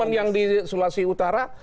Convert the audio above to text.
teman yang di sulawesi utara